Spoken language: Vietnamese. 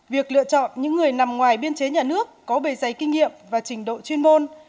việc lựa chọn những người nằm ngoài biên chế nhà nước có bề giấy kinh nghiệm và trình độ chuyên môn